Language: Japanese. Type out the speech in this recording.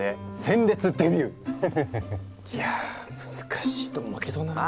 いやあ難しいと思うけどなあ。